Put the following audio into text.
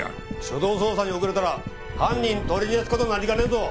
初動捜査に遅れたら犯人取り逃がす事になりかねんぞ。